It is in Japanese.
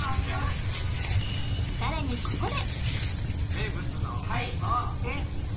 さらにここで！